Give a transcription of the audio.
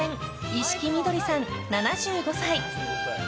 石木みどりさん、７５歳。